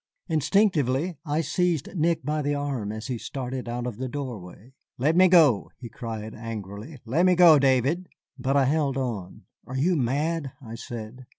Instinctively I seized Nick by the arm as he started out of the doorway. "Let me go," he cried angrily, "let me go, Davy." But I held on. "Are you mad?" I said.